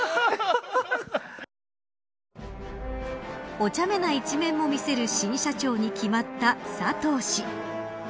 おちゃめな一面も見せる新社長に決まった佐藤氏。